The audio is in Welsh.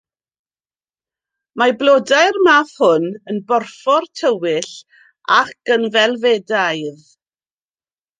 Mae blodau'r math hwn yn borffor tywyll ac yn felfedaidd.